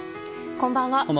こんばんは。